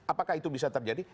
apakah itu bisa terjadi